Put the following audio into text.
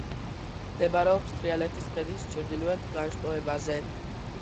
მდებარეობს თრიალეთის ქედის ჩრდილოეთ განშტოებაზე.